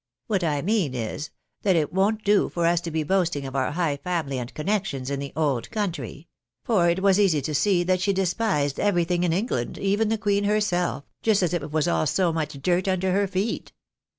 What I mean is, that it won't do for us to be boasting of our high £aimly and con D 2 52 THE BAKNABYS IN AMERICA. nections in the old country ; for it was easy to see that she despised everything in England, even the Queen herself, just as if it was all so much dirt under her feet.